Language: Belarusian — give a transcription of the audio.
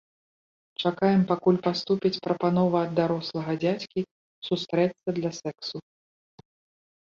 Чакаем, пакуль паступіць прапанова ад дарослага дзядзькі сустрэцца для сэксу.